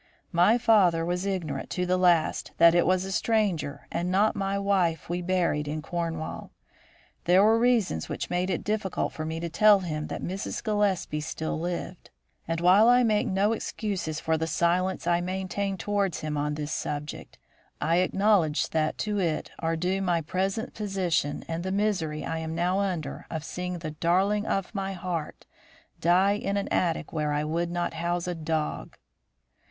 My father was ignorant to the last that it was a stranger and not my wife we buried in Cornwall. There were reasons which made it difficult for me to tell him that Mrs. Gillespie still lived; and while I make no excuses for the silence I maintained towards him on this subject, I acknowledge that to it are due my present position and the misery I am now under of seeing the darling of my heart die in an attic where I would not house a dog."